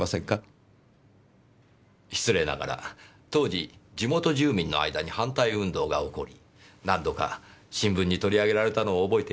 失礼ながら当時地元住民の間に反対運動が起こり何度か新聞に取り上げられたのを覚えています。